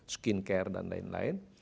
skincare dan lain lain